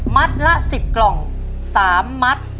ละ๑๐กล่อง๓มัด